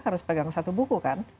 harus pegang satu buku kan